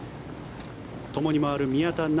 ともに回る宮田成